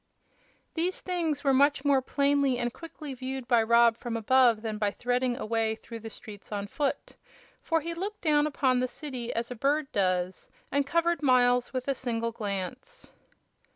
These things were much more plainly and quickly viewed by Rob from above than by threading a way through the streets on foot; for he looked down upon the city as a bird does, and covered miles with a single glance.